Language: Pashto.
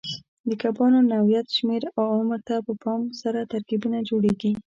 د کبانو نوعیت، شمېر او عمر ته په پام سره ترکیبونه جوړېږي.